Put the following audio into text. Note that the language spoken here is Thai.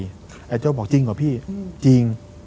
ไอ้โจ้บอกจริงเหรอพี่จริง